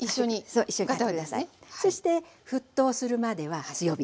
そして沸騰するまでは強火。